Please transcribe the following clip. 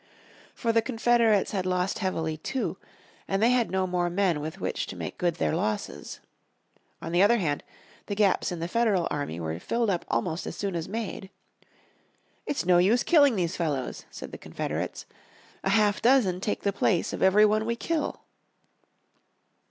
For the Confederates had lost heavily, too, and they had no more men with which to make good their losses. On the other hand the gaps in the Federal army were filled up almost as soon as made. "It's no use killing these fellows," said the Confederates, "a half dozen take the place of every one we kill."